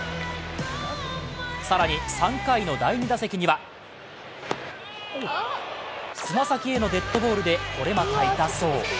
更に３回の第２打席には、爪先へのデッドボールでこれまた痛そう。